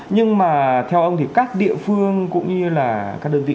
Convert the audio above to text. nhưng mà theo ông thì các địa phương cũng như là các đơn vị